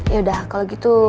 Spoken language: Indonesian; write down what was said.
yaudah kalau gitu